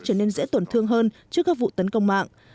trở nên dễ tổn thương hơn trước các vụ tấn công mạng